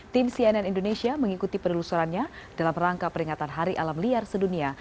tim cnn indonesia mengikuti penelusurannya dalam rangka peringatan hari alam liar sedunia